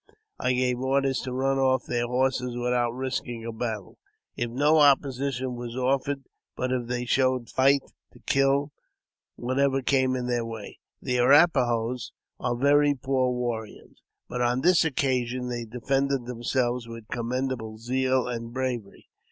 I gave orders to run off their horses without risking a battle, if no opposition were offered ; but, if they showed fight, to kill whatever came in their way. The Arrap a iaos are very poor warriors, but on this occasion they defended themselves with commendable zeal and bravery.